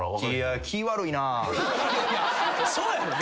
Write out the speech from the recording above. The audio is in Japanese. そうやろ。